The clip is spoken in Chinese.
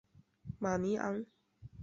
马尼昂。